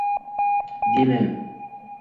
Demang